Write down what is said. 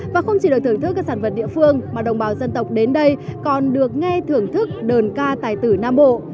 và không chỉ được thưởng thức các sản vật địa phương mà đồng bào dân tộc đến đây còn được nghe thưởng thức đơn ca tài tử nam bộ